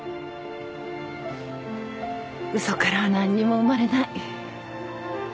嘘からは何にも生まれない。